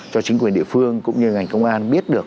cho chính quyền địa phương cũng như ngành công an biết được